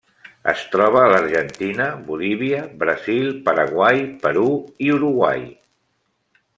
Es troba a l'Argentina, Bolívia, Brasil, Paraguai, Perú, i Uruguai.